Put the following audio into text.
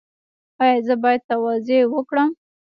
ایا زه باید تواضع وکړم؟